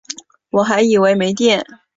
我还以为没电